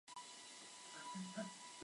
他也是西西里国王。